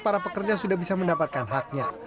para pekerja sudah bisa mendapatkan haknya